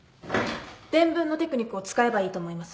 「伝聞のテクニック」を使えばいいと思います。